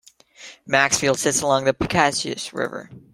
Maxfield sits along the Piscataquis River.